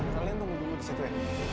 kalian tunggu di situ ya